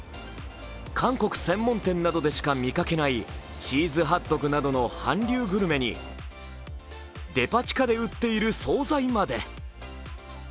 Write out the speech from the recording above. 韓国専門店などでしか見かけないチーズハットグなどの韓流グルメにデパ地下で売っている総菜まで。